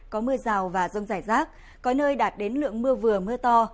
có mưa rào và rông rải rác có nơi đạt đến lượng mưa vừa mưa to